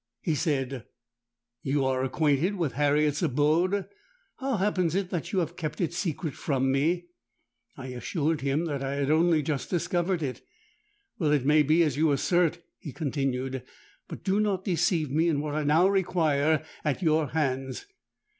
He said, 'You are acquainted with Harriet's abode. How happens it that you have kept it secret from me?'—I assured him that I had only just discovered it—'Well, it may be as you assert,' he continued; 'but do not deceive me in what I now require at your hands.